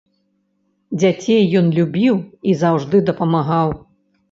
Дзяцей ён любіў і заўжды дапамагаў.